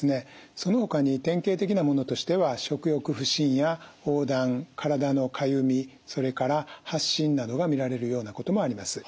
そのほかに典型的なものとしては食欲不振や黄疸体のかゆみそれから発疹などが見られるようなこともあります。